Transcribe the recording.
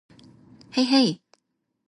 へいへい